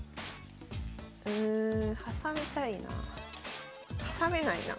うん挟みたいな。